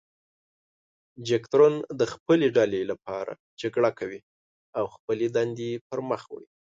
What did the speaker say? جګتورن د خپلې ډلې لپاره جګړه کوي او خپلې دندې پر مخ وړي.